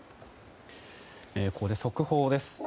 ここで速報です。